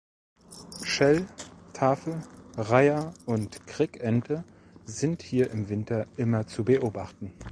Schell-, Tafel-, Reiher- und Krickente sind hier im Winter immer zu beobachten.